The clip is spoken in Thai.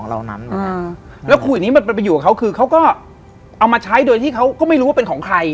เอามาใช้โดยที่เขาก็ไม่รู้ว่าเป็นของใคร